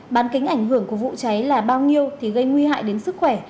bán kính ảnh hưởng của vụ cháy là bao nhiêu thì gây nguy hại đến sức khỏe